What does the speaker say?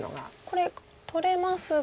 これ取れますが。